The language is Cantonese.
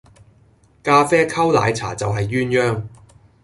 咖啡溝奶茶就係鴛鴦